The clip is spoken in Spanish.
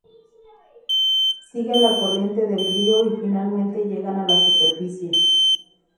Siguen la corriente del río y finalmente llegan a la superficie.